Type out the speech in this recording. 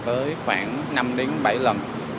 tới khoảng năm đến bảy lần